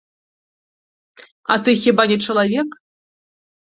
А ты хіба не чалавек?!